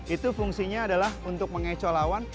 itu fungsinya adalah untuk mengecoh lawan